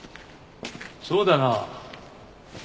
そうだな